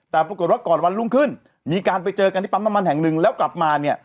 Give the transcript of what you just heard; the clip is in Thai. แต่ปรากฏว่าก่อนวันรุ่งขึ้นมีการไปเจอกันที่ปั๊มน้ำมันแห่งหนึ่งแล้วกลับมาเนี่ย